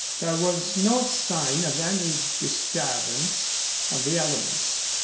There was no sign of any disturbance of the elements.